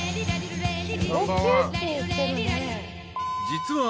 ［実は］